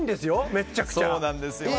めちゃくちゃ。